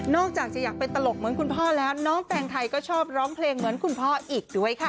จากจะอยากไปตลกเหมือนคุณพ่อแล้วน้องแตงไทยก็ชอบร้องเพลงเหมือนคุณพ่ออีกด้วยค่ะ